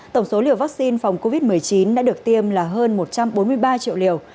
tổng số liều vaccine phòng covid một mươi chín đã được tiêm là hơn một trăm bốn mươi ba triệu liều